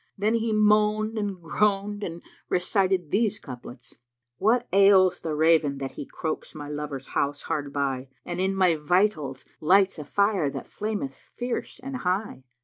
Then he moaned and groaned and recited these couplets, "What ails the Raven that he croaks my lover's house hard by, * And in my vitals lights a fire that flameth fierce and high?